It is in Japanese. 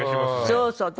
そうそう。